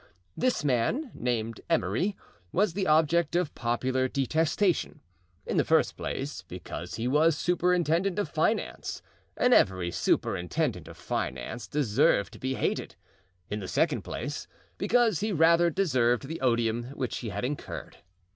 This man, named Emery, was the object of popular detestation, in the first place because he was superintendent of finance, and every superintendent of finance deserved to be hated; in the second place, because he rather deserved the odium which he had incurred.